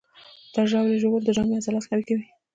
د ژاولې ژوول د ژامې عضلات قوي کوي.